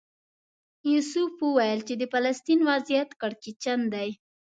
یوسف وویل چې د فلسطین وضعیت کړکېچن دی.